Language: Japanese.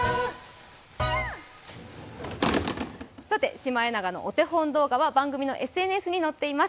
シマエナガのお手本動画は番組のＳＮＳに載っています